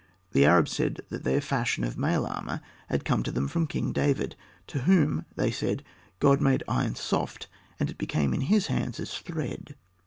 The Arabs said that their fashion of mail armor had come to them from King David, "to whom," they said, "God made iron soft, and it became in his hands as thread."